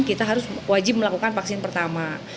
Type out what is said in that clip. kita harus wajib melakukan vaksin pertama